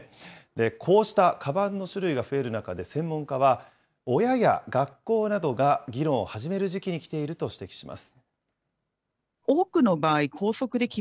こうしたかばんの種類が増える中で、専門家は、親や学校などが議論を始める時期に来ていると指摘します。